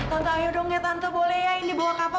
tante ayo dong ya tante boleh ya indi bawa kava